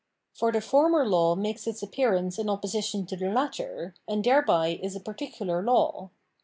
For the former law makes its appearance in opposition to the latter, and thereby is a particular law.